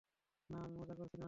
না, আমি মজা করছি না!